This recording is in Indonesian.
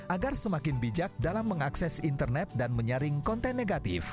agar semakin bijak dalam mengakses internet dan menyaring konten negatif